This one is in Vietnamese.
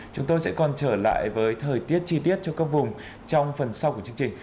chúng tôi sẽ còn trở lại với thời tiết chi tiết cho các vùng trong phần sau của chương trình